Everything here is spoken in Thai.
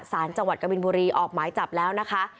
สารจังหวัดกบินบุรีออกหมายจับแล้วนะคะ